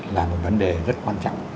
là một vấn đề rất quan trọng